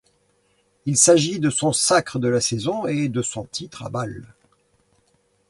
Il s'agit de son sacre de la saison et de son titre à Bâle.